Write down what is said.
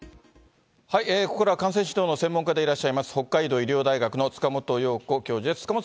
ここからは感染指導の専門家でいらっしゃいます北海道医療大学の塚本容子教授です。